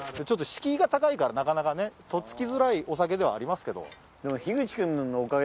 ちょっと敷居が高いからなかなかねっつきづらいお酒ではありますけど。